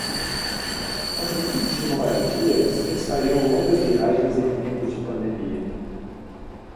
Ambientes de moradia dispensariam longas viagens em tempos de pandemia